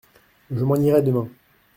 Je m’en irai demain.